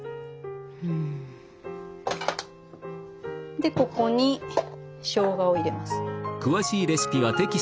でここにしょうがを入れます。